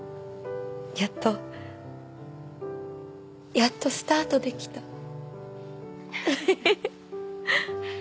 やっとやっとスタートできた。